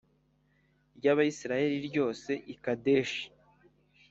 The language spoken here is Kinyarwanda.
ry Abisirayeli ryose i Kadeshi s